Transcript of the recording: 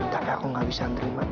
tapi aku nggak bisa menerima bang